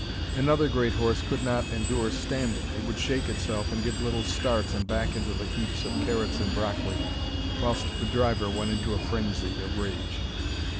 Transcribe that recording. Another great horse could not endure standing. It would shake itself and give little starts, and back into the heaps of carrots and broccoli, whilst the driver went into a frenzy of rage.